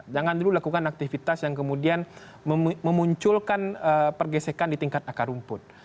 jangan dulu lakukan aktivitas yang kemudian memunculkan pergesekan di tingkat akar rumput